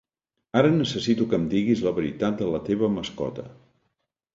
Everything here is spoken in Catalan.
Ara necessito que em diguis la veritat de la teva mascota.